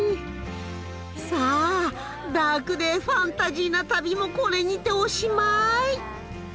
さあダークでファンタジーな旅もこれにておしまい。